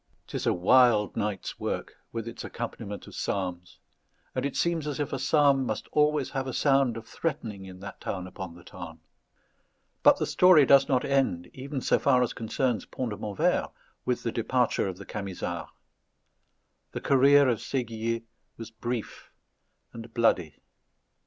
'Tis a wild night's work, with its accompaniment of psalms; and it seems as if a psalm must always have a sound of threatening in that town upon the Tarn. But the story does not end, even so far as concerns Pont de Montvert, with the departure of the Camisards. The career of Séguier was brief and bloody.